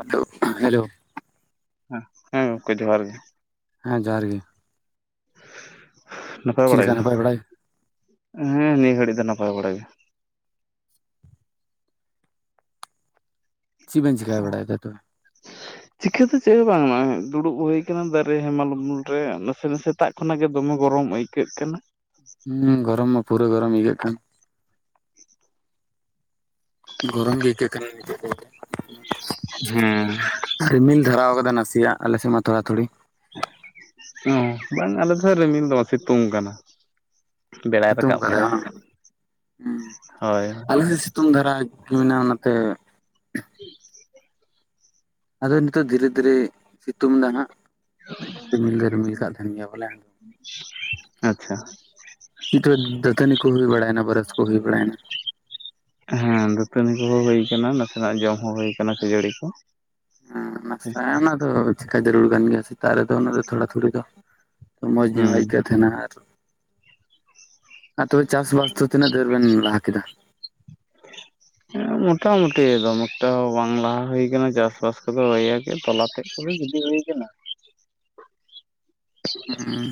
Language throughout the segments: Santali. ᱟᱫᱚᱜ ᱦᱮᱞᱳ ᱦᱮᱸ ᱜᱚᱝᱠᱮ ᱡᱚᱦᱟᱨ ᱜᱮ ᱦᱮᱸ ᱡᱚᱦᱟᱨ ᱜᱮ ᱱᱟᱯᱟᱭ ᱪᱮᱫ ᱵᱟᱲᱟ ᱞᱮᱠᱟ ᱜᱮᱭᱟ ᱱᱟᱯᱟᱭ ᱵᱟᱲᱟᱭ ᱦᱮᱸ ᱱᱤᱭᱟᱹ ᱜᱷᱟᱹᱲᱤᱡ ᱫᱚ ᱱᱟᱯᱟᱭ ᱵᱟᱲᱟ ᱜᱮᱭᱟ ᱪᱮᱫ ᱵᱮᱱ ᱪᱤᱠᱟᱹ ᱵᱟᱲᱟᱭᱮᱫᱟ ᱛᱚᱵᱮ ᱪᱤᱠᱟᱹ ᱫᱚ ᱪᱮᱫ ᱦᱚᱸ ᱵᱟᱝ ᱫᱩᱲᱩᱵ ᱦᱩᱭ ᱟᱠᱟᱱᱟ ᱫᱟᱨᱮ ᱦᱮᱢᱟᱞ ᱩᱢᱩᱞ ᱨᱮ ᱱᱟᱥᱮ ᱱᱟᱥᱮ ᱥᱮᱛᱟᱜ ᱠᱷᱚᱱᱟᱜ ᱜᱮ ᱫᱚᱢᱮ ᱜᱚᱨᱚᱢ ᱟᱹᱭᱠᱟᱹᱜ ᱠᱟᱱᱟ ᱦᱩᱸ ᱜᱚᱨᱚᱢ ᱢᱟ ᱯᱩᱨᱟᱹ ᱜᱚᱨᱚᱢ ᱟᱹᱭᱠᱟᱹᱜ ᱠᱟᱱ [unintelligible] ᱜᱚᱨᱚᱢ ᱜᱮ ᱟᱹᱭᱠᱟᱹᱜ ᱠᱟᱱᱟ ᱱᱮᱛᱚᱜ ᱫᱚ [unintelligible] ᱦᱮᱸ ᱨᱤᱢᱤᱞ ᱫᱷᱟᱨᱟᱣ ᱟᱠᱟᱫᱟ ᱱᱟᱥᱮᱭᱟᱜ ᱟᱞᱮᱥᱮᱫ ᱢᱟ ᱛᱷᱚᱲᱟ ᱛᱷᱩᱲᱤ ᱦᱚᱸ ᱵᱟᱝ ᱟᱞᱮ ᱫᱚ ᱨᱤᱢᱤᱞ ᱫᱚ ᱵᱟᱝ ᱥᱤᱛᱩᱝ ᱠᱟᱱᱟ ᱵᱮᱲᱟᱭ ᱥᱤᱛᱩᱝ ᱨᱟᱠᱟᱵ ᱠᱟᱫᱟᱭ ᱠᱟᱱᱟ ᱵᱟᱝ ᱦᱩᱸ ᱦᱳᱭ ᱟᱞᱮ ᱥᱮᱫ ᱥᱤᱛᱩᱝ ᱫᱷᱟᱨᱟ ᱢᱮᱱᱟᱜᱼᱟ ᱚᱱᱟᱛᱮ ᱦᱮᱸ ᱟᱫᱚ ᱱᱤᱛᱚᱜ ᱫᱷᱤᱨᱮ ᱫᱷᱤᱨᱮ ᱥᱤᱛᱩᱝ ᱫᱟᱭ ᱱᱟᱸᱜ ᱨᱤᱢᱤᱞ ᱫᱚ ᱨᱤᱢᱤᱞ ᱠᱟᱜ ᱛᱟᱦᱮᱱ ᱜᱮᱭᱟ ᱵᱚᱞᱮ ᱟᱪᱪᱷᱟ ᱱᱤᱛᱚᱜ ᱫᱟ. ᱛᱟ. ᱽᱱᱤ ᱠᱚ ᱦᱩᱭ ᱵᱟᱲᱟᱭᱱᱟ ᱵᱚᱨᱚᱥ ᱠᱚ ᱦᱩᱭ ᱵᱟᱲᱟᱭᱮᱱᱟ ᱦᱮᱸ ᱫᱟᱹᱛᱟᱹᱱᱤ ᱠᱚᱦᱚᱸ ᱦᱩᱭ ᱟᱠᱟᱱᱟ ᱱᱟᱥᱮᱱᱟᱜ ᱡᱚᱢ ᱦᱚᱸ ᱦᱩᱭ ᱟᱠᱟᱱᱟ ᱠᱷᱟᱹᱡᱟᱹᱲᱤ ᱠᱚ ᱦᱮᱸ ᱱᱟᱥᱛᱟ ᱚᱱᱟ ᱫᱚ ᱪᱤᱠᱟ ᱡᱟᱹᱨᱩᱲ ᱠᱟᱱ ᱜᱮᱭᱟ ᱥᱮᱛᱟᱜ ᱨᱮᱫᱚ ᱚᱱᱟ ᱫᱚ ᱛᱷᱚᱲᱟ ᱛᱷᱩᱲᱤ ᱫᱚ ᱚ ᱢᱚᱸᱡᱽ ᱧᱚᱜ ᱦᱮᱸ ᱟᱹᱭᱠᱟᱹᱜ ᱛᱟᱦᱮᱱᱟ ᱟᱨ ᱟᱨ ᱛᱚᱵᱮ ᱪᱟᱥᱵᱟᱥ ᱫᱚ ᱛᱤᱱᱟᱹᱜ ᱫᱷᱩᱨ ᱵᱮᱱ ᱞᱟᱦᱟ ᱠᱮᱫᱟ ᱦᱩ [unintelligible] ᱦᱩᱸ ᱢᱚᱴᱟ ᱢᱩᱴᱤ ᱫᱚ ᱦᱚᱸ ᱵᱟᱝ ᱞᱟᱦᱟ ᱦᱩᱭ ᱟᱠᱟᱱᱟ ᱪᱟᱥᱵᱟᱥ ᱠᱚᱫᱚ ᱛᱚᱞᱟᱛᱮᱼᱼ ᱯᱩᱨᱟ. ᱵᱤᱡᱤ ᱦᱩᱭ ᱟᱠᱟᱱᱟ ᱦᱮᱸ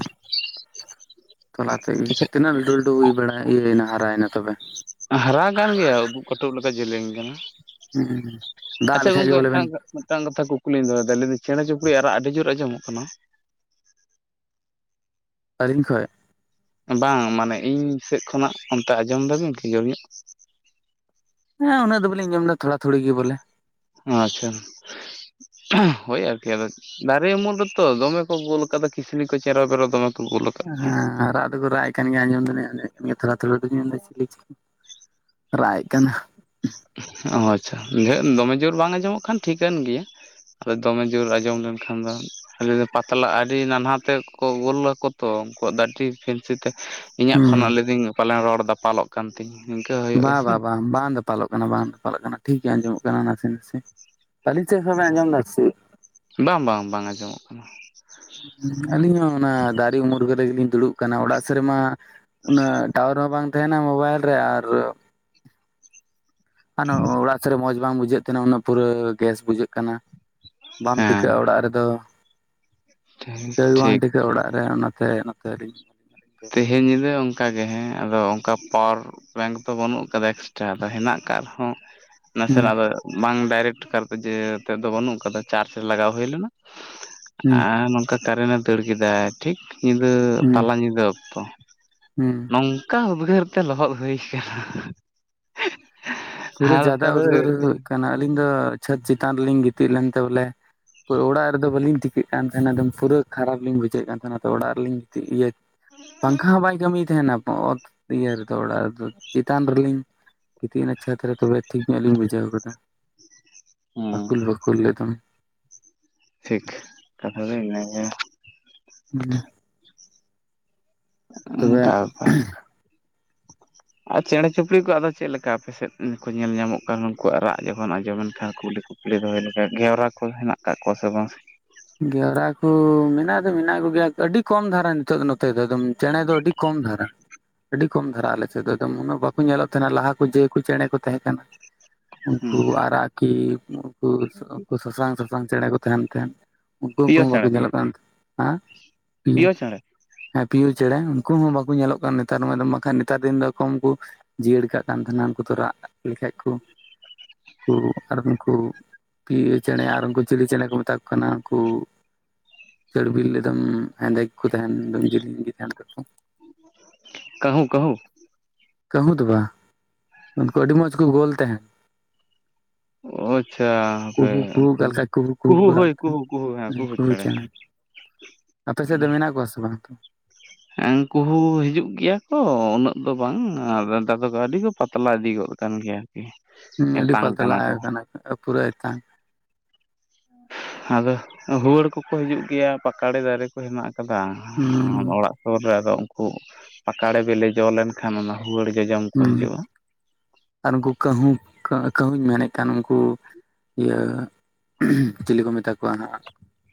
ᱛᱚᱞᱟᱛᱮᱜ ᱛᱤᱱᱟᱹᱜ ᱞᱟᱹᱴᱩ ᱞᱟᱹᱴᱩ ᱦᱩᱭ ᱵᱟᱲᱟ ᱤᱭᱟᱹᱭᱮᱱᱟ ᱦᱟᱨᱟᱭᱮᱱᱟ ᱛᱚᱵᱮ ᱦᱟᱨᱟ ᱠᱟᱱ ᱜᱮᱭᱟ ᱩᱫᱩᱜ ᱠᱟᱹᱴᱩᱵ ᱞᱮᱠᱟ ᱡᱮᱞᱮᱧ ᱠᱟᱱᱟ ᱦᱩᱸ ᱫᱟᱜ ᱟᱪᱪᱷᱟ ᱞᱮᱠᱷᱟᱡ ᱜᱮ ᱜᱚᱢᱠᱮ ᱵᱚᱞᱮ ᱵᱮᱱ ᱢᱤᱫᱴᱟᱝ ᱠᱟᱛᱷᱟ ᱠᱩᱠᱼᱼ ᱠᱩᱞᱤᱧ ᱫᱚᱦᱚ ᱭᱮᱫᱟ ᱛᱚ ᱪᱮᱬᱮ ᱪᱤᱯᱨᱩᱡ ᱨᱟᱜ ᱟᱹᱰᱤ ᱡᱳᱨ ᱟᱸᱡᱚᱢᱚᱜ ᱠᱟᱱᱟ ᱟᱹᱞᱤᱧ ᱠᱷᱚᱭ ᱵᱟᱝ ᱢᱟᱱᱮ ᱤᱧ ᱥᱮᱫ ᱠᱷᱚᱱᱟᱜ ᱚᱱᱛᱮ ᱟᱸᱡᱚᱢ ᱫᱟᱵᱤᱱ ᱟᱡᱚᱢ ᱧᱚᱜ ᱦᱮ ᱩᱱᱟᱹᱜ ᱫᱚ ᱵᱟᱞᱤᱧ ᱟᱡᱚᱢ ᱞᱟ ᱛᱷᱚᱲᱟ ᱛᱷᱚᱲᱤ ᱜᱮ ᱵᱚᱞᱮ ᱟᱪᱪᱷᱟ ᱳᱭ ᱟᱨᱠᱤ ᱟᱫᱚ ᱫᱟᱨᱮ ᱩᱢᱩᱞ ᱨᱮᱛᱚ ᱫᱚᱢᱮ ᱠᱚ ᱵᱳᱞ ᱟᱠᱟᱫᱟ ᱠᱤᱥᱱᱤ ᱠᱚ ᱪᱮᱨᱚ ᱵᱮᱨᱚ ᱫᱚᱢᱮ ᱠᱚ ᱜᱳᱞ ᱟᱠᱟᱫ ᱠᱚᱣᱟ᱾ ᱦᱮᱸ ᱨᱟᱜ ᱫᱚᱠᱚ ᱨᱟᱭ ᱮᱫ ᱠᱟᱱ ᱜᱮ ᱟᱸᱡᱚᱢ ᱫᱩᱞᱤᱧ ᱟᱡᱚᱢ ᱠᱟᱱ ᱜᱮ ᱛᱷᱚᱲᱟ ᱛᱷᱚᱲᱤ ᱫᱩᱧ ᱢᱮᱱ ᱫᱟ ᱪᱷᱤᱞᱤ ᱪᱚᱠᱚ ᱨᱟᱜ ᱮᱫ ᱠᱟᱱᱟ ᱚ ᱟᱪᱪᱷᱟ ᱫᱚᱢᱮ ᱡᱳᱨ ᱵᱟᱝ ᱟᱸᱡᱚᱢᱚᱜ ᱠᱷᱟᱱ ᱴᱷᱤᱠᱟᱹᱱ ᱜᱮᱭᱟ ᱟᱫᱚ ᱫᱚᱢᱮ ᱡᱳᱨ ᱟᱸᱡᱚᱢ ᱞᱮᱱᱠᱷᱟᱱ ᱫᱚ [unintelligible] ᱟᱞᱮ ᱫᱚ ᱯᱟᱛᱞᱟ ᱟᱹᱰᱤ ᱱᱟᱱᱦᱟ ᱛᱮ ᱠᱚ ᱜᱳᱞ ᱟᱠᱚ ᱛᱚ ᱩᱱᱠᱩᱣᱟᱜ ᱫᱚ ᱟᱰᱤ [unintelligible] ᱯᱷᱮᱱᱥᱤ ᱛᱮ ᱤᱧᱟᱹᱜ ᱠᱷᱚᱱ ᱦᱩᱸ ᱞᱟᱹᱭᱮᱫᱟᱹᱧ ᱯᱟᱞᱮᱱ ᱨᱚᱲ ᱫᱟᱯᱟᱞᱚᱜ ᱠᱟᱱ ᱛᱤᱧ ᱱᱤᱝᱠᱟᱹ ᱦᱩᱭᱩᱜ ᱵᱟ ᱵᱟ ᱜᱮᱭᱟᱥᱮ। ᱵᱟᱝ ᱵᱟᱝ ᱫᱟᱯᱟᱞᱚᱜ ᱠᱟᱱᱟ ᱵᱟᱝ ᱫᱟᱯᱟᱞᱚᱜ ᱠᱟᱱᱟ ᱴᱷᱤᱠ ᱜᱮ ᱟᱸᱡᱚᱢᱚᱜ ᱠᱟᱱᱟ ᱱᱟᱥᱮ ᱱᱟᱥᱮ। ᱟᱞᱤᱧ ᱥᱮᱫ ᱠᱷᱚᱱ ᱵᱮᱱ ᱟᱸᱡᱚᱢ ᱫᱟ [unintelligible] ᱥᱮᱪᱮᱫ। ᱵᱟᱝ ᱵᱟᱝ ᱵᱟᱝ ᱟᱸᱡᱚᱢᱚᱜ ᱠᱟᱱᱟ। ᱟᱹᱞᱤᱧ ᱦᱚᱸ ᱚᱱᱟ ᱫᱟᱨᱮ ᱩᱢᱩᱞ ᱨᱮᱜᱮᱞᱤᱧ ᱫᱩᱲᱩᱵ ᱠᱟᱱᱟ ᱚᱲᱟᱜ ᱥᱮᱫ ᱨᱮᱢᱟ ᱚᱱᱟ ᱴᱟᱣᱟᱨ ᱦᱚᱸ ᱵᱟᱝ ᱛᱟᱦᱮᱱᱟ ᱢᱳᱵᱟᱭᱤᱞ ᱨᱮ ᱟᱨ ᱟᱱᱚ ᱚᱲᱟᱜ ᱥᱮᱫ ᱨᱮ ᱢᱚᱸᱡᱽ ᱵᱟᱝ ᱵᱩᱡᱷᱟᱹᱜ ᱠᱟᱱᱟ [unintelligible] ᱩᱱᱟᱹᱜ ᱯᱩᱨᱟᱹ ᱜᱮᱥ ᱵᱩᱡᱷᱟᱹᱜ ᱠᱟᱱ ᱵᱟᱢ ᱦᱮᱸ ᱴᱤᱠᱟᱹᱜᱼᱟ ᱚᱲᱟᱜ ᱨᱮᱫᱚ ᱴᱷᱤᱠ ᱴᱤᱠᱟᱹᱣ ᱜᱮ ᱴᱷᱤᱠ ᱵᱟᱝ ᱴᱤᱠᱟᱹᱜ ᱱᱚᱛᱮ ᱚᱲᱟᱜ ᱨᱮ ᱚᱱᱟᱛᱮ ᱱᱚᱛᱮᱞᱤᱧᱼᱼ ᱛᱮᱦᱮᱧ ᱧᱤᱫᱟᱹ ᱚᱱᱠᱟᱜᱮ ᱦᱮᱸ ᱟᱫᱚ ᱚᱱᱠᱟ ᱯᱟᱣᱟᱨᱼᱼ ᱵᱮᱝᱠ ᱫᱚ ᱵᱟᱹᱱᱩᱜ ᱟᱠᱟᱫᱟ ᱮᱠᱥᱴᱨᱟ ᱟᱫᱚ ᱦᱮᱱᱟᱜ ᱟᱠᱟᱫ ᱨᱮᱦᱚᱸ ᱦᱩᱸ ᱱᱟᱥᱮᱱᱟᱜ ᱫᱚᱼᱼ ᱵᱟᱝ ᱰᱟᱭᱨᱮᱠᱴ ᱠᱟᱨᱛᱮ ᱡᱮ ᱛᱮᱫᱫᱚ ᱵᱟᱹᱱᱩᱜ ᱠᱟᱫᱟ ᱪᱟᱨᱡᱽ ᱞᱟᱜᱟᱣ ᱦᱩᱭ ᱞᱮᱱᱟ ᱦᱩᱸ ᱟᱨ ᱱᱚᱝᱠᱟ ᱠᱟᱨᱮᱱᱮ ᱫᱟᱹᱲ ᱠᱮᱫᱟ ᱴᱷᱤᱠ ᱧᱤᱫᱟᱹ ᱦᱩᱸ ᱛᱟᱞᱟ ᱧᱤᱫᱟᱹ ᱚᱠᱛᱚ ᱦᱩᱸ ᱱᱚᱝᱠᱟ ᱩᱫᱽᱜᱟᱹᱨ ᱛᱮ ᱞᱚᱦᱚᱫ ᱦᱩᱭ ᱟᱠᱟᱱᱟ। ᱯᱩᱨᱟᱹ ᱟᱨ ᱡᱟᱫᱟ ᱛᱟᱦᱚᱞᱮ ᱩᱫᱽᱜᱟᱹᱨ ᱦᱩᱭᱩᱜ ᱠᱟᱱᱟ ᱟᱹᱞᱤᱧ ᱫᱚ ᱪᱷᱟᱹᱫᱽ ᱪᱮᱛᱟᱱ ᱨᱮᱞᱤᱧ ᱜᱤᱛᱤᱡ ᱞᱮᱱᱛᱮ ᱵᱚᱞᱮᱼᱼ ᱯᱩᱨᱟᱹ ᱚᱲᱟᱜ ᱨᱮᱫᱚ ᱵᱟᱹᱞᱤᱧ ᱴᱷᱤᱠᱟᱹᱜ ᱠᱟᱱ ᱛᱟᱦᱮᱱᱟ ᱮᱠᱫᱚᱢ ᱯᱩᱨᱟᱹ ᱠᱷᱟᱨᱟᱯ ᱞᱤᱧ ᱵᱩᱡᱷᱮᱫ ᱠᱟᱱ ᱛᱟᱦᱮᱱᱟ ᱛᱚ ᱚᱲᱟᱜ ᱨᱮᱞᱤᱧ ᱜᱤᱛᱤᱡ ᱤᱭᱟᱹ ᱯᱟᱝᱠᱷᱟ ᱦᱚᱸ ᱵᱟᱭ ᱠᱟᱹᱢᱤᱭ ᱫᱟ। ᱛᱟᱦᱮᱱᱟ ᱚᱛ ᱤᱭᱟᱹ ᱨᱮᱫᱚ ᱚᱲᱟᱜ ᱨᱮ ᱫᱚ ᱪᱮᱛᱟᱱ ᱨᱮᱞᱤᱧ [unintelligible] ᱜᱤᱛᱤᱡᱱᱟ। ᱪᱷᱟᱸᱛ ᱨᱮ ᱛᱟᱦᱚᱞᱮ ᱴᱷᱤᱠ ᱧᱚᱜ ᱞᱤᱧ ᱵᱩᱡᱷᱟᱹᱣ ᱠᱟᱫᱟ ᱦᱮᱸ ᱟᱹᱩᱞ ᱵᱟᱹᱠᱩᱞ [unintelligible] ᱜᱮ ᱫᱚᱢᱮ। ᱴᱷᱤᱠ ᱠᱟᱛᱷᱟ ᱫᱚ ᱤᱱᱟᱹ ᱜᱮ। ᱦᱩᱸ ᱛᱚᱵᱮ ᱚᱱᱠᱟ ᱵᱮᱯᱟᱨ ᱟᱨ ᱪᱮᱬᱮ ᱪᱩᱯᱲᱤ ᱠᱚ ᱟᱫᱚ ᱪᱮᱫᱞᱮᱠᱟ ᱟᱯᱮ ᱥᱮᱫ ᱠᱚ ᱧᱮᱞ ᱧᱟᱢᱚᱜ ᱠᱟᱱ ᱩᱱᱠᱩᱣᱟᱜ ᱨᱟᱜ ᱡᱚᱠᱷᱚᱱ ᱟᱸᱡᱚᱢᱮᱱ ᱠᱷᱟᱱ ᱠᱩᱭᱞᱤ ᱠᱚ ᱥᱤᱲᱤ ᱫᱚᱦᱚᱭ [unintelligible] ᱱᱚᱝᱠᱟ ᱜᱷᱣᱨᱟ ᱠᱚ ᱦᱮᱱᱟᱜ ᱠᱟᱜ ᱠᱚᱣᱟ ᱥᱮ ᱵᱟᱝ ᱜᱷᱣᱨᱟ ᱠᱚ ᱢᱮᱱᱟᱜ ᱫᱚ ᱢᱮᱱᱟᱜ ᱠᱚᱜᱮᱭᱟ ᱟᱹᱰᱤ ᱠᱚᱢ ᱫᱷᱟᱨᱟ ᱧᱚᱜ। ᱱᱤᱛᱚᱜ ᱫᱚ ᱱᱚᱛᱮ ᱫᱚ [unintelligible] ᱮᱠᱫᱚᱢ ᱪᱮᱬᱮ ᱫᱚ ᱟᱹᱰᱤ ᱠᱚᱢ ᱫᱷᱟᱨᱟ। ᱟᱹᱰᱤ ᱠᱚᱢ ᱫᱷᱟᱨᱟ ᱟᱞᱮᱥᱮᱫ ᱫᱚ [unintelligible] ᱮᱠᱫᱚᱢ ᱩᱱᱟᱹᱜ ᱵᱟᱠᱚ ᱧᱮᱞᱚᱜ ᱛᱟᱦᱮᱱᱟ ᱞᱟᱦᱟ ᱠᱚ ᱡᱮ ᱠᱚ ᱪᱮᱬᱮ ᱠᱚ ᱛᱟᱦᱮᱸ ᱠᱟᱱᱟ। ᱩᱱᱠᱩ ᱟᱨᱟᱜ ᱠᱤ ᱩᱱᱠᱩ ᱩᱱᱠᱩ ᱥᱟᱥᱟᱝ ᱥᱟᱥᱟᱝ ᱪᱮᱬᱮ ᱠᱚ ᱛᱟᱦᱮᱱ ᱛᱟᱦᱮᱸᱫ। ᱩᱱᱠᱩ ᱩᱱᱠᱩ ᱯᱤᱭᱳ ᱦᱚᱸ ᱪᱮᱬᱮ ᱵᱟᱠᱚ ᱧᱮᱞᱚᱜ [unintelligible] ᱠᱟᱱᱟᱛᱚ ᱦᱮᱸ [unintelligible] ᱯᱤᱭᱳ ᱦᱮᱸ ᱯᱤᱭᱳ ᱪᱮᱬᱮ ᱩᱱᱠᱩ ᱦᱚᱸ ᱵᱟᱠᱚ ᱧᱮᱞᱚᱜ ᱠᱟᱱ ᱱᱮᱛᱟᱨ ᱢᱟ ᱫᱚᱢᱮ ᱠᱷᱟᱱ ᱱᱮᱛᱟᱨ ᱫᱤᱱ ᱫᱚ ᱩᱱᱠᱩ ᱡᱤᱭᱟᱹᱲ ᱠᱟᱜ ᱠᱟᱱ ᱛᱟᱦᱮᱱᱟ ᱩᱱᱠᱩ ᱫᱚ ᱨᱟᱜ ᱞᱮᱠᱷᱟᱡ ᱠᱚ ᱠᱩ ᱟᱫᱚ ᱩᱱᱠᱩ ᱯᱤᱭᱳ ᱪᱮᱬᱮ ᱟᱨ ᱩᱱᱠᱩ ᱪᱤᱞᱤ ᱪᱮᱬᱮ ᱠᱚ ᱢᱮᱛᱟ ᱠᱚ ᱠᱟᱱᱟ ᱠᱩ ᱪᱟᱹᱲᱵᱤᱞ ᱞᱮᱫᱟᱢ ᱦᱮᱸᱫᱮ ᱜᱮᱠᱚ ᱛᱟᱦᱮᱱ ᱫᱚᱢ ᱡᱤᱞᱤᱧ ᱜᱮ ᱛᱟᱦᱮᱱ ᱛᱟᱠᱚ ᱠᱟᱹᱦᱩᱸ ᱠᱟᱹᱦᱩᱸ ᱠᱟᱹᱦᱩᱸ ᱫᱚ ᱵᱟᱝ ᱩᱱᱠᱩ ᱟᱹᱰᱤ ᱢᱚᱸᱡᱽ ᱠᱚ ᱜᱳᱞ ᱛᱟᱦᱮᱱ ᱚ ᱟᱪᱪᱷᱟ ᱦᱟᱯᱮ ᱠᱩᱦᱩ ᱠᱩᱦᱩ ᱩᱱᱠᱩ ᱚᱠᱟ ᱫᱚ ᱞᱮᱠᱟ ᱠᱩᱦᱩ ᱠᱩᱦᱩ ᱠᱚ ᱨᱟᱜ ᱦᱳᱭ ᱠᱩᱦᱩ ᱛᱟᱦᱮᱸᱱ ᱠᱩᱦᱩ ᱦᱮᱸ ᱠᱩᱦᱩ ᱩᱱᱠᱩ ᱪᱮᱬᱮ ᱟᱯᱮ ᱥᱮᱫ ᱫᱚ ᱢᱮᱱᱟᱜ ᱠᱚᱣᱟ ᱥᱮ ᱵᱟᱝ ᱦᱮᱸ ᱠᱩᱦᱩ ᱦᱤᱡᱩᱜ ᱜᱮᱭᱟ ᱠᱚ ᱩᱱᱟᱹᱜ ᱫᱚ ᱵᱟᱝ ᱟᱨ [unintelligible] ᱫᱟᱫᱟ ᱠᱚ ᱟᱹᱰᱤ ᱯᱟᱛᱞᱟ ᱤᱫᱤ ᱜᱚᱫ ᱠᱟᱱ ᱜᱮᱭᱟ ᱟᱨᱠᱤ ᱮᱛᱟᱝ ᱠᱟᱱᱟ ᱠᱚ। ᱚ ᱯᱩᱨᱟᱹ ᱮᱛᱟᱝ ᱟᱫᱚ ᱦᱩᱣᱟᱹᱲ ᱠᱚᱠᱚ ᱦᱤᱡᱩᱜ ᱜᱮᱭᱟ ᱯᱟᱠᱟᱲᱮ ᱫᱟᱨᱮ ᱠᱚ ᱦᱮᱱᱟᱜ ᱟᱠᱟᱫᱟ ᱦᱩᱸ ᱚᱲᱟᱜᱼᱼ ᱥᱩᱨ ᱨᱮ ᱟᱫᱚ ᱩᱱᱠᱩ ᱯᱟᱠᱟᱲᱮ ᱵᱤᱞᱤ ᱡᱚ ᱞᱮᱱᱠᱷᱟᱱ ᱚᱱᱟ ᱦᱩᱣᱟᱹᱲ ᱜᱮ ᱡᱚᱢ ᱠᱚ ᱦᱩᱸ ᱦᱤᱡᱩᱜᱼᱟ। ᱟᱨ ᱩᱱᱠᱩ ᱠᱟᱹᱦᱩ ᱠᱟᱹᱦᱩᱧ ᱢᱮᱱᱮᱫ ᱠᱟᱱ ᱩᱱᱠᱩᱼᱼ ᱤᱭᱟᱹ ᱪᱤᱞᱤ ᱠᱚ ᱢᱮᱛᱟ ᱠᱚᱣᱟ ᱦᱟᱸᱜ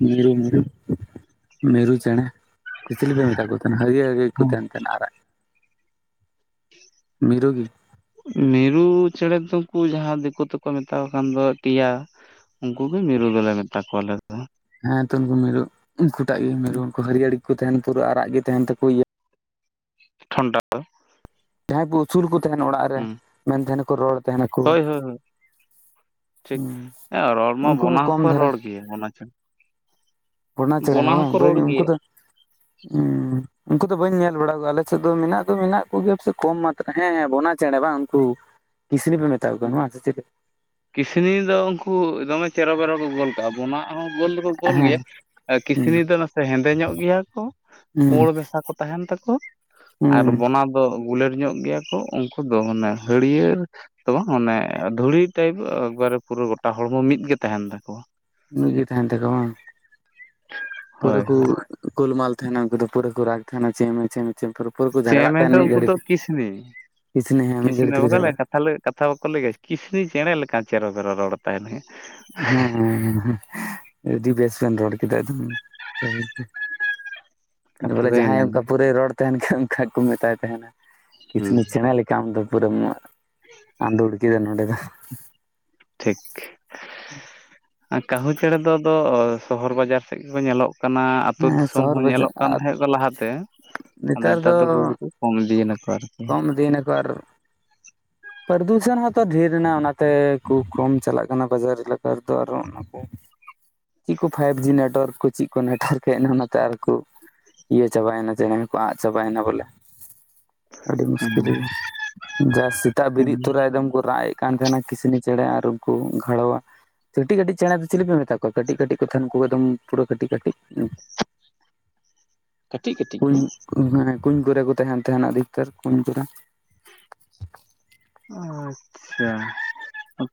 ᱢᱤᱨᱩ ᱢᱤᱨᱩ ᱢᱮᱨᱩ ᱪᱮᱬᱮ ᱪᱤᱞᱤ ᱯᱮ ᱢᱮᱛᱟ ᱠᱚ ᱛᱟᱦᱮᱱᱟ ᱦᱟᱹᱨᱭᱟᱹᱲᱮ ᱦᱟᱨᱭᱟᱹᱲ ᱠᱚ ᱛᱟᱦᱮᱱᱛᱟᱦᱮᱸᱱᱟ ᱟᱨᱟᱜ ᱢᱤᱨᱩᱜᱤ ᱢᱤᱨᱩ ᱪᱮᱬᱮ ᱫᱚ ᱠᱩ ᱡᱟᱦᱟ ᱫᱤᱠᱩ ᱛᱮ ᱠᱚ ᱢᱮᱛᱣᱟ ᱠᱟᱱ ᱫᱚ ᱴᱤᱭᱟ? ᱩᱱᱠᱩ ᱜᱮ ᱢᱤᱨᱩ ᱫᱚ ᱞᱮ ᱢᱮᱛᱟ ᱠᱚᱣᱟ ᱟᱞᱮ ᱫᱚ᱾ ᱦᱮ ᱛᱚ ᱩᱱᱠᱩ ᱢᱤᱨᱩ ᱩᱱᱠᱩ ᱴᱟᱜ ᱜᱮ ᱢᱤᱨᱩ ᱩᱱᱠᱩ ᱦᱟᱹᱨᱭᱟᱹᱲ ᱜᱤ ᱠᱚ ᱛᱟᱦᱮᱱ ᱯᱩᱨᱟᱹ ᱟᱨᱟᱜ ᱜᱮ ᱛᱟᱦᱮᱱ ᱛᱟᱠᱚ ᱤᱭᱟᱹ᱾ ᱴᱷᱚᱱᱴᱟ ᱫᱚ ᱡᱟᱦᱟᱭ ᱠᱚ ᱩᱥᱩᱞ ᱠᱚ ᱛᱟᱦᱮᱱ ᱚᱲᱟᱜ ᱨᱮ ᱦᱩᱸ ᱢᱮᱱ ᱛᱟᱦᱮᱱᱟ ᱠᱚ ᱨᱚᱲ ᱛᱟᱦᱮᱱᱟᱠᱚ ᱦᱳᱭ ᱦᱳᱭ ᱴᱷᱤᱠ ᱦᱩᱸ ᱦᱮ ᱨᱚᱲ ᱢᱟ ᱩᱱᱠᱩ ᱦᱚᱸ ᱵᱚᱱᱟ ᱦᱚ ᱠᱚᱢ ᱠᱚ ᱫᱷᱟᱨᱟ ᱨᱚᱲ ᱜᱮᱭᱟ ᱚᱱᱟ ᱪᱮᱬᱮ, ᱵᱱᱟ ᱪᱮᱬᱮ ᱦᱮ ᱵᱚᱱᱟ ᱦᱚᱸᱠᱚ ᱵᱟᱝ ᱨᱚᱲ ᱩᱱᱠᱩ ᱜᱮᱭᱟ ᱫᱚ ᱩᱸ ᱩᱱᱠᱩ ᱫᱚ ᱵᱟᱹᱧ ᱧᱮᱞ ᱵᱟᱲᱟ ᱠᱚᱣᱟ ᱟᱞᱮ ᱥᱮᱫ ᱫᱚ ᱢᱮᱱᱟᱜ ᱫᱚ ᱢᱮᱱᱟᱜ ᱠᱚ ᱜᱮᱭᱟ ᱥᱮ ᱠᱚᱢ ᱢᱟᱛᱨᱟ ᱦᱮ ᱦᱮ ᱵᱚᱱᱟ ᱪᱮᱬᱮ ᱵᱟᱝ ᱩᱱᱠᱩ, ᱠᱤᱥᱞᱤ ᱯᱮ ᱢᱮᱛᱟ ᱠᱚᱣᱟ ᱦᱩᱸ, ᱱᱚᱣᱟ ᱥᱮ ᱪᱮᱞᱮ? ᱠᱤᱥᱱᱤ ᱫᱚ ᱩᱱᱠᱩ ᱫᱚ ᱫᱚᱢᱮ ᱪᱮᱨᱚ ᱵᱮᱨᱚ ᱠᱚ ᱜᱳᱞ ᱵᱚᱱᱟ ᱦᱚᱜ ᱜᱳᱞ ᱫᱚ ᱠᱚ ᱜᱳᱞ ᱜᱮᱭᱟ ᱦᱮᱸ ᱟᱨ ᱦᱩᱸ ᱠᱤᱥᱱᱤ ᱫᱚ ᱱᱟᱥᱮ ᱦᱮᱸᱫᱮ ᱧᱚᱜ ᱜᱮᱭᱟ ᱠᱚ, ᱦᱩᱸ ᱯᱩᱸᱲ ᱢᱮᱥᱟ ᱠᱚ ᱛᱟᱦᱮᱱ ᱛᱟᱠᱚ ᱟᱨ ᱦᱩᱸ ᱵᱚᱱᱟ ᱜᱩᱞᱟᱹᱴ ᱧᱚᱜ ᱜᱮᱭᱟ ᱠᱚ ᱩᱱᱠᱩ ᱫᱚ ᱢᱟᱱᱮ ᱦᱟᱹᱲᱭᱟᱹᱲ ᱛᱚ ᱵᱟᱝ ᱚᱱᱮᱼᱮ ᱫᱷᱩᱲᱤ ᱴᱟᱭᱤᱯ ᱮᱠᱵᱟᱨᱮ ᱯᱩᱨᱟᱹ ᱜᱚᱴᱟ ᱦᱚᱲᱢᱚ ᱢᱤᱫᱜᱮ ᱛᱟᱦᱮᱱ ᱛᱟᱠᱚᱣᱟ᱾ ᱢᱤᱫ ᱜᱮ ᱛᱟᱦᱮᱱ ᱛᱟᱠᱚ ᱵᱟᱝ? ᱯᱩᱨᱟᱹ ᱦᱳᱭ ᱠᱩ ᱦᱳᱭ ᱜᱳᱞᱢᱟᱞ ᱛᱟᱦᱮᱱᱟ ᱩᱱᱠᱩ ᱫᱚ ᱯᱩᱨᱟᱹ ᱠᱚ ᱨᱟᱜ ᱛᱟᱦᱮᱱᱟ ᱪᱮ ᱢᱮ ᱪᱮ ᱢᱮ? ᱪᱤᱢᱯᱩᱨᱯᱩᱨ ᱠᱚ ᱡᱷᱟᱜᱽᱟᱜ ᱪᱮᱢᱮ ᱛᱟᱦᱮᱱ ᱫᱚ ᱢᱤᱫ ᱩᱱᱠᱩ ᱜᱷᱟᱹᱲᱤ ᱫᱚ ᱛᱮ ᱠᱤᱥᱱᱤ ᱠᱤᱪᱱᱤ ᱦᱮ ᱢᱤᱫ ᱜᱷᱟᱹᱲᱤ ᱛᱮ ᱠᱚ ᱡᱷᱟᱜᱽᱟᱜᱼᱟ᱾ ᱛᱟᱦᱚᱞᱮ ᱠᱟᱛᱷᱟ ᱵᱟᱠᱚ ᱞᱟᱹᱭ ᱠᱟᱦ ᱠᱤᱥᱱᱤ ᱪᱮᱬᱮ ᱞᱮᱠᱟ ᱪᱮᱨᱚ ᱵᱮᱨᱚ ᱨᱚᱲ ᱛᱟᱭ [unintelligible] ᱦᱮᱸᱻ ᱟᱰᱤ ᱵᱮᱥ ᱵᱮᱱ ᱨᱚᱲ ᱠᱮᱫᱟ ᱮᱠᱫᱚᱢ ᱜᱟᱦᱤᱨ ᱛᱮ᱾ ᱠᱟᱛᱷᱟ ᱵᱚᱞᱮ ᱫᱚ ᱡᱟᱦᱟᱭ ᱤᱱᱟᱹ ᱚᱱᱠᱟ ᱯᱩᱨᱟᱹᱭ ᱨᱚᱲ ᱛᱟᱦᱮᱱ ᱠᱷᱟᱱ ᱚᱱᱠᱟ ᱠᱚ ᱢᱮᱛᱟᱭ ᱛᱟᱦᱮᱱᱟ ᱦᱩᱸ ᱠᱤᱥᱱᱤ ᱪᱮᱬᱮ ᱞᱮᱠᱟ ᱠᱟᱢ ᱫᱚ ᱯᱩᱨᱟᱹᱢ ᱟᱸᱫᱳᱲ ᱠᱮᱫᱟ ᱱᱚᱰᱮ ᱫᱚ᱾ ᱴᱷᱤᱠ [inaudible] ᱟ ᱠᱟᱦᱩ ᱪᱮᱬᱮ ᱫᱚ ᱫᱚ ᱥᱚᱦᱚᱨ ᱵᱟᱡᱟᱨ ᱥᱮᱫ ᱜᱮ ᱠᱚ ᱧᱮᱞᱚᱜ ᱠᱟᱱᱟ, ᱟᱛᱩ ᱦᱮᱸ ᱫᱤᱥᱚᱢ ᱦᱚ ᱥᱚᱦᱚᱨ ᱵᱟᱡᱟᱨ ᱧᱮᱞᱚᱜ ᱠᱟᱱ ᱟᱨ ᱛᱟᱦᱮᱫ ᱫᱚ ᱞᱟᱦᱟᱛᱮ᱾ ᱟᱫᱚ ᱱᱮᱛᱟᱨ ᱫᱚ ᱵᱟᱹᱭ ᱵᱟᱹᱭ ᱛᱮ ᱠᱚᱢ ᱤᱫᱤᱭᱮ ᱱᱟᱠᱚ ᱟᱨᱠᱤ᱾ ᱠᱚᱢ ᱤᱫᱤᱭᱱᱟᱠᱚ ᱟᱨ ᱯᱨᱚᱫᱩᱥᱚᱱ ᱦᱚ ᱛᱚ ᱰᱷᱮᱨ ᱮᱱᱟ ᱚᱱᱟ ᱛᱮ ᱠᱩ ᱠᱚᱢ ᱪᱟᱞᱟᱜ ᱠᱟᱱᱟ ᱵᱟᱡᱟᱨ ᱮᱞᱟᱠᱟ ᱨᱮᱫᱚ ᱟᱨᱦᱟ ᱚᱼᱱᱟ᱾ [inaudible] ᱪᱤᱫ ᱠᱚ ᱯᱷᱟᱭᱤᱵ ᱡᱤ ᱱᱮᱴᱣᱟᱨᱠ ᱠᱚ ᱪᱤᱫ ᱠᱚ ᱱᱮᱴᱣᱟᱨᱠ ᱯᱷᱮᱱ ᱦᱚ ᱱᱚᱛᱮ ᱟᱨᱠᱚ ᱤᱭᱟᱹ ᱪᱟᱵᱟᱭᱮᱱᱟ ᱪᱮᱬᱮ ᱠᱚ ᱟᱫ ᱪᱟᱵᱟᱭᱮᱱᱟ ᱵᱚᱞᱮ᱾ ᱟᱰᱤ ᱦᱮᱸ ᱢᱩᱥᱠᱤᱞ ᱜᱮᱭᱟ, ᱡᱟᱦᱟ ᱥᱮᱛᱟᱜ ᱦᱮᱸ ᱵᱮᱨᱤᱫ ᱛᱚᱨᱟ ᱮᱫᱚᱢ ᱠᱚ ᱨᱟᱜ ᱮᱫ ᱠᱟᱱ ᱛᱟᱦᱮᱱᱟ ᱠᱤᱥᱱᱤ ᱪᱮᱬᱮ ᱟᱨ ᱩᱱᱠᱩ ᱜᱷᱟᱲᱣᱟ, ᱠᱟᱴᱤᱡ ᱠᱟᱴᱤᱡ ᱪᱮᱬᱮ ᱫᱚ ᱪᱤᱞᱤ ᱯᱮ ᱢᱮᱛᱟ ᱠᱚᱣᱟ ᱠᱟᱴᱤᱡ ᱠᱟᱴᱤᱡ ᱠᱚ ᱛᱟᱦᱮᱱ ᱩᱱᱠᱩ ᱮᱠᱫᱚᱢ ᱯᱩᱨᱟᱹ ᱠᱟᱴᱤᱡ ᱠᱟᱴᱤᱡ, ᱠᱟᱴᱤᱡ ᱠᱟᱴᱤᱡ ᱠᱚ? ᱦᱮ ᱠᱩᱧ ᱠᱚ ᱨᱮ ᱠᱚ ᱛᱟᱦᱮᱱ ᱛᱟᱦᱮᱱᱟ ᱟᱫᱷᱤᱠᱛᱟᱨ ᱠᱩᱧ ᱠᱚ ᱨᱮ, ᱟᱪᱪᱷᱟ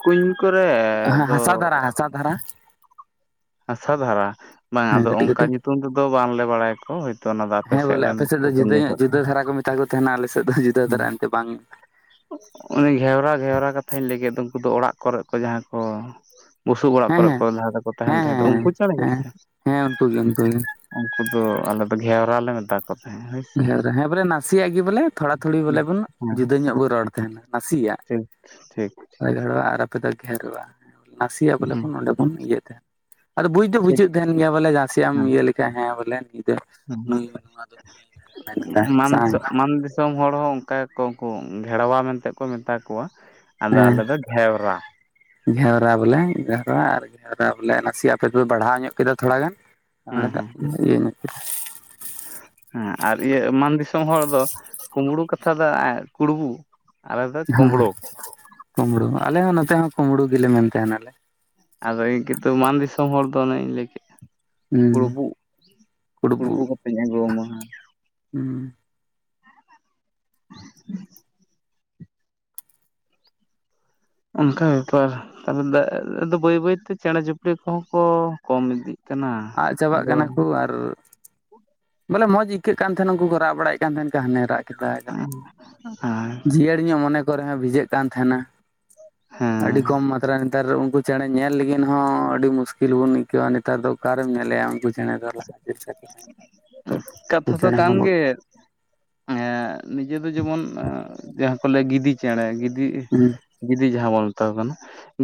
ᱠᱩᱧ ᱠᱚᱼᱨᱮ ᱦᱮᱸ ᱫᱚ, ᱦᱟᱥᱟ ᱫᱷᱟᱨᱟ ᱦᱟᱥᱟ ᱫᱷᱟᱨᱟ ᱦᱟᱥᱟ ᱫᱷᱟᱨᱟ? ᱵᱟᱝᱟ ᱦᱮᱸ ᱟᱫᱚ ᱠᱟᱹᱴᱤᱡ ᱚᱱᱠᱟ ᱠᱟᱹᱴᱤᱡ ᱧᱩᱛᱩᱢ ᱛᱮ ᱫᱚ ᱵᱟᱝᱞᱮ ᱵᱟᱲᱟᱭ ᱠᱚ ᱦᱳᱭᱛᱳ ᱚᱱᱟ ᱫᱚ ᱟᱯᱮ ᱥᱮᱫ ᱨᱮᱱ ᱯᱮᱯᱮ 'ᱧᱩᱚᱜ' [inaudible] ᱠᱚᱣᱟ ᱡᱟ ᱠᱚ ᱛᱟᱦᱮᱱᱟ ᱟᱞᱮᱥᱮᱫ ᱫᱚ ᱡᱩᱫᱟᱹ ᱫᱷᱟᱨᱟ ᱮᱱᱛᱮ ᱵᱟᱝ ᱩᱱᱤ ᱜᱷᱮᱣᱨᱟ ᱜᱷᱮᱣᱨᱟ ᱠᱟᱛᱷᱟᱹᱧ ᱞᱟᱹᱭ ᱠᱮᱫ ᱫᱚ ᱩᱱᱠᱩ ᱫᱚ ᱚᱲᱟᱜ ᱠᱚᱨᱮᱫ ᱠᱚ ᱡᱟᱦᱟ ᱠᱚ, ᱵᱩᱥᱩᱵ ᱚᱲᱟᱜ ᱠᱚ ᱦᱮᱸ ᱨᱮ ᱠᱚ ᱦᱮᱸ ᱞᱟᱦᱟ ᱛᱮ ᱠᱚ ᱛᱟᱦᱮᱱ ᱛᱟᱦᱮᱫ ᱫᱚ ᱦᱮᱸ ᱩᱱᱠᱩ ᱪᱮᱬᱮ ᱦᱮᱸ ᱜᱮᱥᱮ? ᱦᱮᱸ ᱩᱱᱠᱩ ᱜᱮ ᱩᱱᱠᱩ ᱜᱮ ᱩᱱᱠᱩ ᱫᱚ ᱟᱞᱮ ᱫᱚ ᱜᱷᱣᱨᱟ ᱞᱮ ᱢᱮᱛᱟ ᱠᱚᱣᱟ᱾ [inaudible] ᱜᱷᱮᱣᱨᱟ ᱦᱮ ᱵᱚᱞᱮ ᱱᱟᱥᱮ ᱭᱟᱜ ᱜᱮ ᱵᱚᱞᱮ ᱛᱷᱚᱲᱟ, ᱛᱷᱚᱲᱤ ᱵᱚᱞᱮ ᱵᱚᱱ ᱦᱮᱸ ᱡᱩᱫᱟᱹ ᱧᱚᱜ ᱵᱚᱱ ᱨᱚᱲ ᱛᱟᱦᱮᱱᱟ ᱱᱟᱥᱤᱭᱟᱜ, ᱴᱷᱤᱠ ᱴᱷᱤᱠ ᱴᱷᱤᱠ ᱦᱳᱭ ᱜᱷᱮᱣᱲᱟ ᱩᱱᱠᱩ ᱫᱚ ᱜᱷᱮᱨᱣᱟ᱾ ᱱᱟᱥᱤᱭᱟᱜ ᱵᱚᱞᱮ ᱦᱮᱸ ᱵᱚᱱ ᱚᱸᱰᱮ ᱵᱚᱱ ᱤᱭᱟᱹ ᱛᱟᱦᱮᱱ, ᱟᱫᱚ ᱵᱩᱡ ᱫᱚ ᱴᱷᱤᱠ ᱵᱩᱡᱷᱩᱜ ᱛᱟᱦᱮᱱ ᱜᱮᱭᱟ ᱵᱚᱞᱮ ᱱᱟᱥᱮᱭᱟᱜ ᱦᱮᱸ ᱤᱭᱟᱹ ᱞᱮᱠ ᱠᱷᱟᱡ ᱦᱮ ᱵᱚᱞᱮ ᱱᱩᱭ ᱫᱚ ᱦᱮᱸ ᱱᱩᱭ ᱫᱚ ᱱᱤᱭᱟᱹ ᱢᱮ ᱢᱮᱱ ᱮᱫᱟ ᱢᱟᱱ ᱫᱤᱥᱚᱢ [unintelligible] ᱢᱟᱱ ᱫᱤᱥᱚᱢ ᱦᱚᱲ ᱦᱚ ᱚᱱᱠᱟ ᱜᱮ ᱠᱚ ᱩᱱᱠᱩ ᱜᱷᱮᱲᱣᱟ ᱢᱮᱱᱛᱮ ᱠᱚ ᱢᱮᱛᱟ ᱠᱚᱣᱟ ᱟᱫᱚ ᱦᱮᱸ ᱟᱞᱮ ᱫᱚ ᱜᱷᱮᱣᱨᱟ ᱾ ᱜᱷᱮᱣᱨᱟ ᱵᱚᱞᱮ ᱜᱷᱨᱟ ᱟᱨ ᱜᱷᱨᱟ ᱵᱚᱞᱮ ᱱᱟᱥᱮᱭᱟᱜ ᱟᱯᱮ ᱫᱚᱯᱮ ᱵᱟᱲᱦᱟᱣ ᱧᱚᱜ ᱠᱮᱫᱟ ᱛᱷᱚᱲᱟ ᱜᱟᱱ ᱾ ᱦᱮᱸ ᱦᱮᱸ [unintelligible] ᱦᱮᱸ ᱟᱨ ᱤᱭᱟᱹ ᱮ ᱢᱟᱱ ᱫᱤᱥᱚᱢ ᱦᱚᱲ ᱫᱚ ᱠᱩᱢᱲᱩ ᱠᱟᱛᱷᱟ ᱫᱚ ᱠᱩᱲᱵᱩ ᱾ ᱦᱮᱸ ᱠᱩᱢᱲᱩ ᱟᱞᱮ ᱦᱚᱸ ᱱᱚᱛᱮ ᱦᱚᱸ ᱠᱩᱢᱲᱩ ᱜᱮᱞᱮ ᱢᱮᱱ ᱛᱟᱦᱮᱱᱟᱞᱮ ᱾ ᱟᱫᱚ ᱤᱧ ᱠᱤᱱᱛᱩ ᱢᱟᱱ ᱫᱤᱥᱚᱢ ᱦᱚᱲ ᱫᱚ ᱚᱱᱮ ᱤᱧ ᱞᱟᱹᱭ ᱠᱮᱫ ᱾ ᱦᱩᱸ ᱠᱩᱲᱵᱩ, ᱠᱩᱲᱵᱩ ᱠᱟᱛᱮᱧ ᱟᱜᱩᱣᱟᱢᱟ ᱾ ᱦᱩᱸ [inaudible] ᱚᱱᱠᱟ ᱵᱮᱯᱟᱨ ᱛᱟᱦᱞᱮ ᱫᱚ [unintelligible] ᱵᱟᱹᱭ ᱵᱟᱹᱭᱛᱮ ᱪᱮᱬᱮ ᱪᱤᱯᱲᱤ ᱠᱚᱦᱚᱸ ᱠᱚ ᱠᱚᱢ ᱤᱫᱤᱜ ᱠᱟᱱᱟ, ᱟᱫ ᱪᱟᱵᱟᱜ ᱟᱫᱚ ᱠᱟᱱᱟ ᱠᱚ ᱟᱨ ᱵᱚᱞᱮ ᱢᱚᱸᱡᱽ ᱟᱹᱭᱠᱟᱹᱜ ᱠᱟᱱ ᱛᱟᱦᱮᱱ ᱩᱱᱠᱩ ᱠᱚ ᱨᱟᱜ ᱵᱟᱲᱟᱭᱮᱫ ᱠᱟᱱ ᱛᱟᱦᱮᱱ, ᱦᱟᱱᱮ ᱨᱟᱜ ᱦᱮᱸ [unintelligible] ᱡᱤᱭᱟᱹᱲ ᱧᱚᱜ ᱢᱚᱱᱮ ᱠᱚᱨᱮ ᱦᱚᱸ ᱵᱷᱤᱡᱟᱹᱜ ᱠᱟᱱ ᱛᱟᱦᱮᱱᱟ, ᱟᱹᱰᱤ ᱠᱚᱢ ᱢᱟᱛᱛᱨᱟ ᱱᱮᱛᱟᱨ ᱩᱱᱠᱩ ᱪᱮᱬᱮ ᱧᱮᱞ ᱞᱟᱹᱜᱤᱫ ᱦᱚᱸ ᱟᱹᱰᱤ ᱢᱩᱥᱠᱤᱞ ᱵᱚᱱ ᱟᱹᱭᱠᱟᱹᱣᱟ ᱱᱮᱛᱟᱨ ᱫᱚ ᱚᱠᱟᱨᱮᱢ ᱧᱮᱞᱮᱭᱟ ᱩᱱᱠᱩ ᱪᱮᱬᱮ ᱫᱚ ᱞᱟᱦᱟ ᱪᱤᱞᱠᱟ ᱠᱚ ᱛᱟᱦᱮ ᱾ ᱠᱟᱛᱷᱟ ᱫᱚ ᱠᱟᱱ ᱜᱮ ᱾ ᱮᱸ ᱱᱤᱡᱮ ᱫᱚ ᱡᱮᱢᱚᱱ ᱡᱟᱦᱟᱸ ᱠᱚ ᱞᱟᱹᱭ ᱜᱤᱫᱤ ᱪᱮᱬᱮ, ᱜᱤᱫᱤ ᱦᱩᱸ ᱜᱤᱫᱤ ᱡᱟᱦᱟᱸ ᱵᱚᱱ ᱢᱮᱛᱟ ᱠᱚ ᱠᱟᱱᱟ,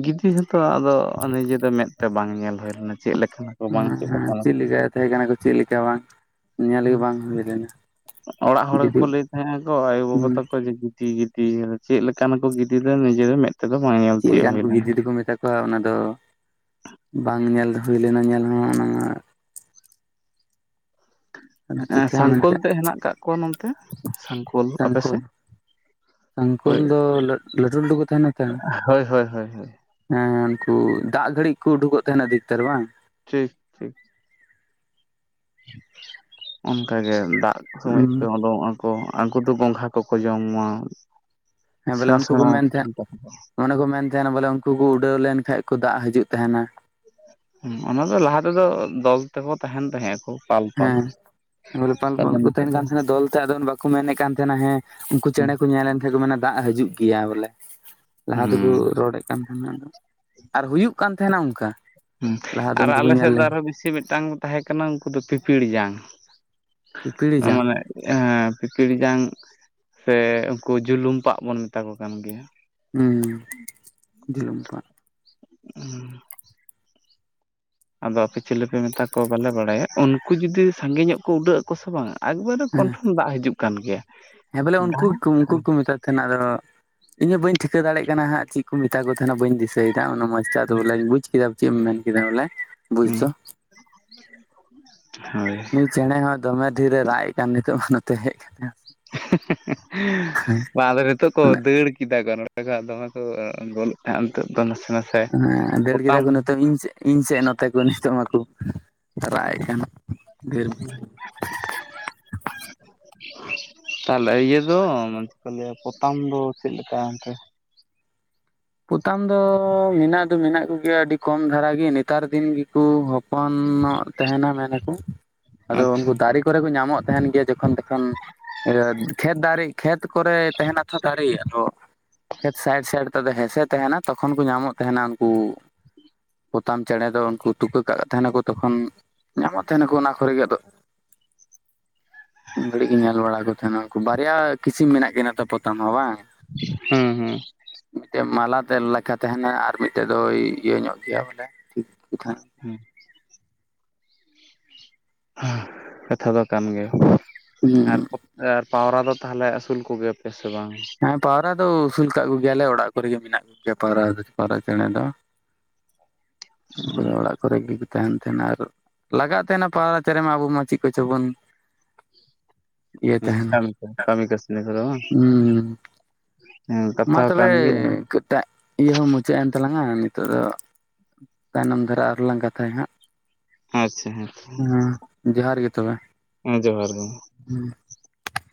ᱜᱤᱫᱤ ᱦᱚᱛᱚ ᱟᱫᱚ ᱱᱤᱡᱮ ᱫᱚ ᱢᱮᱫ ᱛᱮ ᱵᱟᱝ ᱧᱮᱞ ᱦᱩᱭ ᱞᱮᱱᱟ ᱪᱮ ᱞᱮᱠᱟᱱ ᱦᱮᱸ ᱦᱮᱸ ᱪᱤᱞᱮᱠᱟ ᱛᱟᱦᱮᱸ ᱠᱟᱱᱟ ᱠᱚ ᱪᱤ ᱞᱮᱠᱟ ᱵᱟᱝ ᱾ ᱚᱲᱟᱜ ᱦᱚᱲ ᱜᱤᱫᱤ ᱜᱮᱠᱚ ᱞᱟᱹᱭ ᱛᱟᱦᱮᱸᱱᱟ ᱠᱚ ᱟᱭᱳᱼ ᱵᱟᱵᱟ ᱦᱩᱸ ᱛᱟᱠᱚ ᱡᱩᱫᱤ ᱛᱤᱜᱤ ᱛᱤ ᱟᱫᱚ ᱪᱮᱫ ᱞᱮᱠᱟᱱᱟ ᱠᱚ ᱜᱤᱫᱤ ᱫᱚ ᱱᱤᱡᱮ ᱨᱟᱜ ᱢᱮᱫ ᱛᱮᱫᱚ ᱵᱟᱝ ᱧᱮᱞ ᱛᱤᱭᱳᱜ ᱦᱩᱭ ᱞᱮᱱᱟ ᱾ ᱦᱳᱭ ᱚᱱᱟ ᱫᱚ ᱵᱟᱝ ᱧᱮᱞ ᱦᱩᱭ ᱞᱮᱱᱟ ᱧᱮᱞ ᱦᱚᱸ ᱚᱱᱟ ᱟᱫᱚ ᱮᱸ ᱪᱤᱠᱟᱹᱭᱟ ᱥᱟᱝᱠᱳᱞ ᱢᱮᱱᱛᱮ ᱛᱮ ᱦᱮ ᱠᱟᱜ ᱠᱚᱣᱟ ᱱᱚᱱᱛᱮ ᱥᱟᱝᱠᱳᱞ, ᱟᱯᱮ ᱥᱮᱫ? ᱥᱝᱠᱚᱞ ᱫᱚ ᱞᱟᱹᱴᱩ ᱞᱟᱹᱴᱩ ᱠᱚ ᱛᱟᱦᱮᱱᱟ ᱮᱛᱮ ᱦᱳᱭ ᱦᱳᱭ ᱦᱳᱭ ᱾ ᱦᱮᱸ ᱩᱱᱠᱩ ᱫᱟᱜ ᱜᱷᱟᱹᱲᱤᱡ ᱠᱚ ᱩᱰᱩᱠᱚᱜ ᱛᱟᱦᱮᱱᱟ ᱫᱷᱤᱠᱛᱟᱨ ᱵᱟᱝ? ᱴᱷᱤᱠ ᱾ ᱚᱱᱠ ᱜᱮ ᱫᱟᱜ ᱥᱚᱢᱚᱭ ᱠᱚ ᱩᱰᱩᱝᱚᱜᱼᱟ ᱾ ᱠᱚ ᱟᱜᱩ ᱫᱚ ᱜᱚᱸᱜᱷᱟ ᱠᱚᱠᱚ ᱡᱚᱢᱟ ᱥᱮᱬᱟ ᱥᱮᱬᱟ ᱴᱩᱱᱴᱚ ᱛᱟᱠᱚ ᱾ ᱢᱚᱱᱮ ᱠᱚ ᱢᱮᱱ ᱛᱟᱦᱮᱱᱟ ᱵᱚᱞᱮ ᱩᱱᱠᱩ ᱠᱚ ᱩᱰᱟᱹᱣ ᱞᱮᱱᱠᱷᱟᱡ ᱠᱚ ᱫᱟᱜ ᱦᱤᱡᱩᱜ ᱛᱟᱦᱮᱱᱟ ᱾ ᱚᱱᱟ ᱫᱚ ᱞᱟᱦᱟ ᱛᱮᱫᱚ ᱫᱚᱞ ᱛᱮᱠᱚ ᱛᱟᱦᱮᱱ ᱛᱟᱦᱮᱸᱜ ᱟᱠᱚ ᱯᱟᱞ ᱯᱟᱞ ᱾ ᱦᱮᱸ ᱯᱟᱞ ᱯᱟᱞ ᱠᱚ ᱛᱟᱦᱮᱱ ᱠᱟᱱ ᱛᱟᱦᱮᱱᱟ ᱫᱚᱞ ᱛᱮ ᱟᱫᱚ ᱵᱟᱠᱚ ᱢᱮᱱᱮᱫ ᱠᱟᱱ ᱛᱟᱦᱮᱱᱟ, ᱦᱮᱸ ᱩᱱᱠᱩ ᱦᱩᱸ ᱪᱮᱬᱮ ᱠᱚ ᱧᱮᱞ ᱞᱮᱱᱠᱷᱟᱡ ᱠᱚ ᱢᱮᱱᱟ ᱫᱟᱜ ᱦᱤᱡᱩᱜ ᱜᱮᱭᱟ ᱵᱚᱞᱮ ᱞᱟᱦᱟ ᱛᱮᱠᱚ ᱦᱩᱸ ᱨᱚᱲᱮ ᱠᱟᱱ ᱛᱟᱦᱮᱱᱟ ᱟᱨ ᱦᱩᱭᱩᱜ ᱠᱟᱱ ᱛᱟᱦᱮᱱᱟ ᱚᱱᱠᱟ ᱾ ᱦᱮᱸ ᱟᱨ ᱟᱞᱮ ᱥᱮᱫ ᱫᱚ ᱟᱨᱦᱚᱸ ᱵᱮᱥᱤ ᱢᱤᱫᱴᱟᱱ ᱛᱟᱦᱮᱸ ᱠᱟᱱᱟ ᱩᱱᱠᱩ ᱫᱚ ᱯᱤᱯᱤᱲ ᱡᱟᱝ ᱯᱤᱯᱤᱲᱤ ᱾ ᱡᱟᱝ ᱢᱟᱱᱮ ᱮᱸ ᱯᱤᱯᱤᱲᱤ ᱡᱟᱝ ᱥᱮ ᱩᱱᱠᱩ ᱡᱩᱞᱩᱢ ᱯᱟᱜ ᱵᱚᱱ ᱢᱮᱛᱟ ᱠᱚ ᱠᱟᱱ ᱜᱮᱭᱟ ᱾ ᱦᱩᱸ ᱡᱤᱞᱚᱢ ᱯᱟᱜ ᱾ [unintelligible] ᱟᱫᱚ ᱟᱯᱮ ᱪᱤᱞᱤ ᱯᱮ ᱢᱮᱛᱟ ᱠᱚᱣᱟ ᱵᱟᱞᱮ ᱵᱟᱲᱟᱭᱟ ᱩᱱᱠᱩ ᱡᱩᱫᱤ ᱥᱟᱸᱜᱮ ᱧᱚᱜ ᱠᱚ ᱩᱰᱟᱹᱜ ᱟᱠᱚ ᱥᱮ ᱵᱟᱝᱼᱟ ᱮᱠᱵᱟᱨᱮ ᱦᱮᱸ ᱠᱚᱱᱯᱷᱟᱨᱢ ᱫᱟᱜ ᱦᱤᱡᱩᱜ ᱠᱟᱱ ᱜᱮᱭᱟ ᱾ ᱦᱮᱸ ᱵᱚᱞᱮ ᱩᱱᱠᱩ ᱜᱮᱠᱩ ᱩᱱᱠᱩ ᱜᱮ ᱠᱚ ᱢᱮᱛᱟ ᱠᱟᱱᱟ ᱟᱫᱚ ᱤᱧ ᱦᱚ ᱵᱟᱹᱧ ᱴᱷᱤᱠᱟᱹ ᱫᱟᱲᱮᱜ ᱠᱟᱱᱟ ᱦᱟᱸᱜ ᱪᱤ ᱠᱩ ᱢᱮᱛᱟ ᱠᱚ ᱛᱟᱦᱮᱦᱱᱟ ᱵᱟᱹᱧ ᱫᱤᱥᱟᱹᱭᱫᱟ ᱚᱱᱮ ᱢᱚᱥᱛᱮ ᱟᱫᱚ ᱵᱚᱞᱮ ᱵᱩᱡ ᱠᱮᱫ ᱪᱮᱢ ᱢᱮᱱ ᱠᱮᱫᱟ ᱵᱚᱞᱮ ᱾ ᱦᱩᱸ ᱾ ᱦᱳᱭ ᱾ ᱱᱩᱭ ᱪᱮᱬᱮ ᱦᱚᱸ ᱫᱚᱢᱮ ᱰᱷᱤᱨᱮ ᱨᱟᱜ ᱮ ᱠᱟᱱ ᱱᱤᱛᱚᱜ ᱢᱟ ᱱᱚᱛᱮ ᱦᱮᱡ ᱠᱟᱛᱮ ᱾ [unintelligible] ᱨᱮ ᱱᱤᱛᱚᱜ ᱠᱚ ᱫᱟᱹᱲ ᱠᱮᱫᱟ ᱠᱚ ᱱᱚᱰᱮ ᱠᱷᱚᱱ ᱫᱚᱢᱮ ᱠᱩ ᱜᱚᱞᱮᱫ ᱛᱟᱦᱮᱸᱫ ᱱᱤᱛᱚᱜ ᱫᱚ ᱱᱟᱥᱮ ᱱᱟᱥᱮ ᱦᱮᱸ ᱫᱟᱹᱲ ᱯᱚᱛᱟᱢ ᱠᱮᱫᱟ ᱠᱚ ᱱᱤᱛᱚᱝ ᱤᱧ ᱥᱮ ᱤᱧ ᱥᱮᱫ ᱱᱚᱛᱮ ᱠᱚ ᱱᱤᱛᱚᱜ ᱢᱟᱠᱚ ᱨᱟᱜ ᱮᱫ ᱠᱟᱱ ᱰᱷᱮᱨ [inaudible] ᱛᱟᱦᱚᱞᱮ ᱤᱭᱟᱹ ᱫᱚ ᱪᱮᱫ ᱠᱚ ᱞᱟᱹᱭᱟ ᱯᱚᱛᱟᱢ ᱫᱚ ᱪᱮᱫᱞᱮᱠᱟ ᱚᱱᱛᱮ ᱯᱚᱛᱟᱢ ᱫᱚ ᱢᱮᱱᱟᱜ ᱫᱚ ᱢᱮᱱᱟᱜ ᱠᱚᱜᱮᱭᱟ ᱟᱹᱰᱤ ᱠᱚᱢ ᱫᱷᱟᱨᱟ ᱜᱮ ᱱᱮᱛᱟᱨ ᱫᱤᱱ ᱜᱮᱠᱚ ᱦᱚᱯᱚᱱᱚᱜ ᱛᱟᱦᱮᱱᱟ ᱢᱮᱱᱟᱠᱚ ᱟᱫᱚ ᱟᱪᱪᱷᱟ ᱩᱱᱠᱩ ᱫᱟᱨᱮ ᱠᱚᱨᱮ ᱠᱚ ᱧᱟᱢᱚᱜ ᱛᱟᱦᱮᱱ ᱜᱮᱭᱟ ᱡᱚᱠᱷᱚᱱ ᱛᱚᱠᱷᱚᱱ ᱤᱭᱟᱹ ᱠᱷᱮᱛ ᱫᱟᱨᱮ ᱠᱷᱮᱛ ᱠᱚᱨᱮ ᱛᱟᱦᱮᱱᱟ ᱛᱷᱚ ᱫᱟᱨᱮ ᱟᱫᱚ ᱠᱷᱮᱛ ᱥᱟᱭᱤᱰ ᱥᱟᱭᱤᱰ ᱛᱮᱫᱚ ᱦᱮᱸᱥᱮ ᱛᱟᱦᱮᱱᱟ ᱛᱚᱠᱷᱚᱱ ᱠᱚ ᱧᱟᱢᱚᱜ ᱛᱟᱦᱮᱱᱟ ᱩᱱᱠᱩ ᱯᱚᱛᱟᱢ ᱪᱮᱬᱮ ᱫᱚ ᱩᱱᱠᱩ ᱛᱩᱠᱟᱹ ᱠᱟᱜ ᱛᱟᱦᱮᱱᱟᱠᱚ ᱛᱚᱠᱷᱚᱱ ᱧᱟᱢᱚᱜ ᱛᱟᱦᱮᱱᱟᱠᱚ ᱚᱱᱟ ᱠᱚᱨᱮ ᱜᱮ ᱟᱫᱚ [inaudible] ᱩᱱ ᱜᱷᱟᱹᱲᱤᱡ ᱜᱮ ᱧᱮᱞ ᱵᱟᱲᱟ ᱠᱚ ᱛᱟᱦᱮᱱᱟ ᱩᱱᱠᱩ ᱵᱟᱨᱭᱟ ᱠᱤᱥᱤᱢ ᱢᱮᱱᱟᱜ ᱠᱤᱱᱟᱹ ᱛᱚ ᱯᱚᱛᱟᱢ ᱦᱚᱸ ᱵᱟᱝ ᱦᱩᱸ ᱦᱩᱸ ᱢᱤᱫᱴᱮᱱ ᱢᱟᱞᱟᱛᱮ ᱞᱮᱠᱟᱷᱟ ᱛᱟᱦᱮᱱᱟ ᱟᱨ ᱢᱤᱫᱴᱮᱡ ᱫᱚᱭ ᱤᱭᱟᱹ ᱧᱚᱜ ᱜᱮᱭᱟ ᱵᱚᱞᱮ, ᱴᱷᱤᱠ ᱜᱮ ᱛᱟᱦᱮᱱᱟ ᱦᱩᱸ ᱠᱟᱛᱷᱟ ᱫᱚ ᱠᱟᱱ ᱜᱮᱭᱟ ᱦᱩᱸ ᱟᱨ ᱟᱨ ᱯᱟᱣᱨᱟ ᱫᱚ ᱛᱟᱦᱚᱞᱮ ᱟᱹᱥᱩᱞ ᱠᱚᱜᱮᱭᱟ ᱯᱮ ᱥᱮ ᱵᱟᱝ? ᱦᱮᱸ ᱯᱟᱣᱨᱟ ᱫᱚ ᱟᱹᱥᱩᱞ ᱠᱟᱜ ᱠᱚᱜᱮᱭᱟᱞᱮ ᱚᱲᱟᱜ ᱠᱚᱨᱮ ᱜᱮ ᱢᱮᱱᱟᱜ ᱠᱚᱜᱮᱭᱟ ᱯᱟᱣᱨᱟ ᱫᱚ ᱯᱟᱣᱨᱟ ᱪᱮᱬᱮ ᱫᱚ [inaudible] ᱩᱱᱠᱚ ᱫᱚ ᱚᱲᱟᱜ ᱠᱚᱨᱮ ᱜᱮ ᱛᱟᱦᱮᱱ ᱛᱟᱦᱮᱱᱟ ᱟᱨ ᱞᱟᱜᱟᱜ ᱛᱟᱦᱮᱱᱟ ᱯᱟᱣᱨᱟ ᱪᱮᱬᱮ ᱢᱟ ᱟᱵᱚ ᱢᱟ ᱪᱮᱫ ᱠᱚ ᱪᱚ ᱵᱚᱱ ᱤᱭᱟᱹᱭ ᱛᱟᱦᱮᱱᱟ ᱠᱟᱹᱢᱤ ᱠᱟᱹᱢᱤ ᱠᱟᱹᱥᱱᱤ ᱠᱚᱫᱚ ᱦᱩᱸ ᱦᱮᱸ ᱢᱟ ᱠᱟᱛᱷᱟ ᱠᱟᱱ ᱛᱚᱵᱮ ᱜᱮᱭᱟ ᱴᱟᱜ ᱤᱭᱟᱹ ᱦᱚᱸ ᱢᱩᱪᱟᱹᱫ ᱮᱱ ᱛᱟᱞᱟᱝᱟ ᱱᱤᱛᱚᱜ ᱫᱚ ᱛᱟᱭᱱᱚᱢ ᱫᱷᱟᱨᱟ ᱟᱨᱚ ᱞᱟᱝ ᱠᱟᱛᱷᱟᱭᱟ ᱦᱟᱸᱜ ᱟᱪᱪᱷᱟ ᱦᱮᱸ ᱦᱮᱸ ᱦᱮᱸ ᱡᱚᱦᱟᱨ ᱜᱮ ᱦᱩᱸ